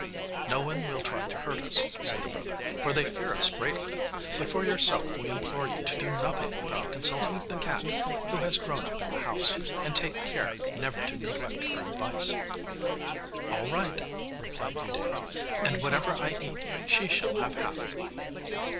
'No one will try to hurt us,' said the brothers, 'for they fear us greatly. But for yourself, we implore you to do nothing without consulting the cat, who has grown up in the house, and take care never to neglect her advice.' 'All right,' replied Udea, 'and whatever I eat she shall have half.